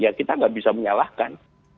ramal white itu juga biasa lihat angara saya itu